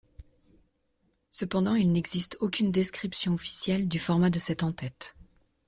Cependant il n'existe aucune description officielle du format de cet entête.